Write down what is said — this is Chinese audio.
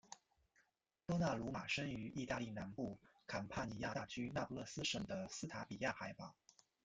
多纳鲁马生于义大利南部坎帕尼亚大区那不勒斯省的斯塔比亚海堡。